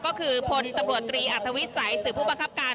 ก็คือพลตำรวจตรีอัธวิสัยสื่อผู้บังคับการ